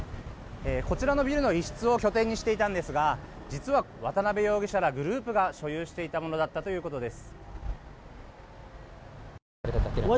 こちらのビルの一室を拠点にしていたんですが実は、渡邉容疑者らグループが所有していたものだったということです。